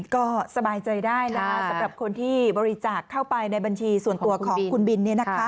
ก็สบายใจได้นะสำหรับคนที่บริจาคเข้าไปในบัญชีส่วนตัวของคุณบิน